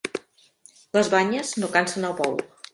Les banyes no cansen el bou.